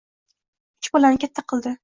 Uch bolani katta qildi